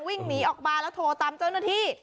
วิ่งหนีออกมาแล้วโทรตามเจ้าหน้าที่